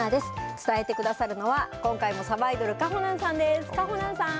伝えてくださるのは、今回もさばいどる、かほなんさんです。